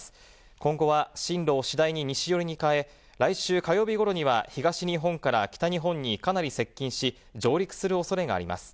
今後は進路を次第に西寄りに変え、来週火曜日ごろには、東日本から北日本にかなり接近し、上陸するおそれがあります。